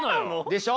でしょ？